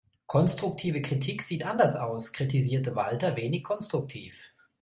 Konstruktive Kritik sieht anders aus, kritisierte Walter wenig konstruktiv.